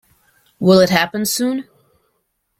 Will it happen soon?